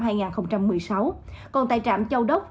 còn tại trạm châu đông tại trạm tân châu trên sông tiền